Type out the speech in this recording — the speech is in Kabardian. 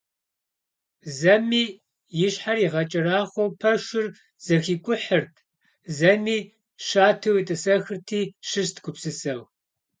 Зэми и щхьэр игъэкӀэрахъуэу пэшыр зэхикӀухьырт, зэми щатэу етӀысэхырти щыст гупсысэу.